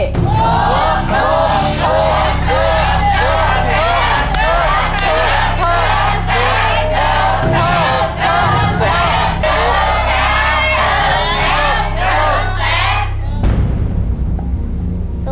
ถุงถุงถุงเฉินเฉิน